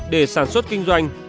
để sản xuất kinh doanh